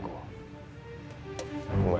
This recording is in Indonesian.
aku gak ingin berpisah sama bella